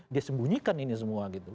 dia sembunyikan ini semua gitu